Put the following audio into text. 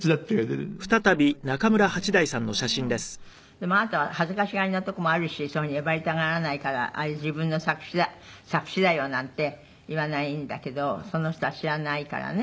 でもあなたは恥ずかしがりなとこもあるしそういうふうに威張りたがらないから「あれ自分の作詞だよ」なんて言わないんだけどその人は知らないからね。